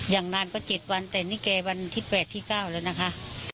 อย่างนานก็๗วันแต่นี่แกวันที่๘ที่๙แล้วนะคะ